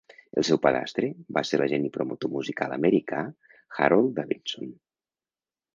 El seu padrastre va ser l'agent i promotor musical americà Harold Davison.